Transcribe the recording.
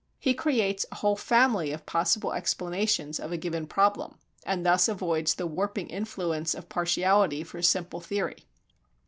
He creates a whole family of possible explanations of a given problem and thus avoids the warping influence of partiality for a simple theory.